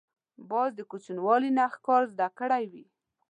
باز د کوچنیوالي نه ښکار زده کړی وي